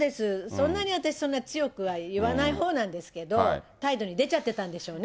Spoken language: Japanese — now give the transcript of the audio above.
そんなに、私、そんなに強くは言わないほうなんですけど、態度に出ちゃってたんでしょうね、